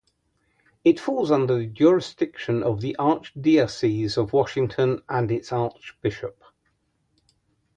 It falls under the jurisdiction of the Archdiocese of Washington and its archbishop.